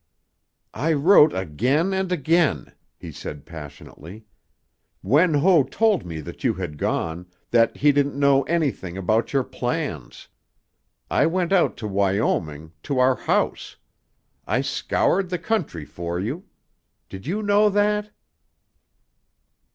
"I wrote again and again," he said passionately. "Wen Ho told me that you had gone, that he didn't know anything about your plans. I went out to Wyoming, to our house. I scoured the country for you. Did you know that?"